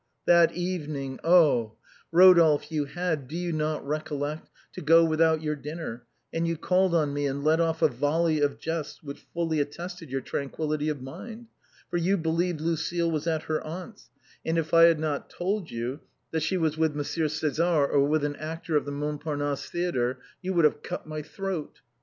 That evening, oh ! Eodolphe, you had, do you not recol lect, to go without your dinner, and you called on me and let off a volley of jests which fully attested your tranquillity of mind. For you believed Lucile was at her aunt's, and if I had told you that she Avas with Monsieur César or with an actor of tlie Montparnasse Theatre, you would have cut my throat !